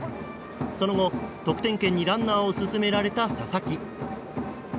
その後、得点圏にランナーを進められた佐々木。